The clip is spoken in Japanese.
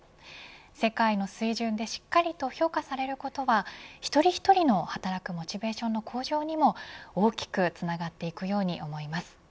世界の水準でしっかりと評価されることは一人一人の働くモチベーションの向上にも大きくつながっていくように思います。